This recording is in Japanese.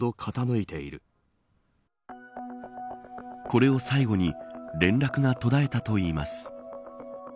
これを最後に連絡が途絶えたといいます。